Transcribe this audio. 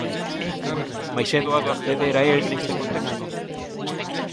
Mais é doado acceder a el neste contexto?